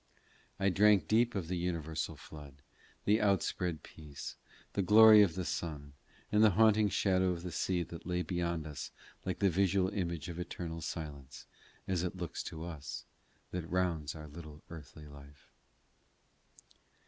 I drank deep of the universal flood, the outspread peace, the glory of the sun, and the haunting shadow of the sea that lay beyond like the visual image of the eternal silence as it looks to us that rounds our little earthly life.